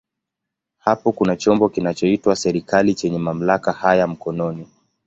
Hapo kuna chombo kinachoitwa serikali chenye mamlaka haya mkononi.